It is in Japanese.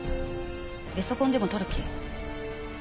ゲソ痕でも採る気？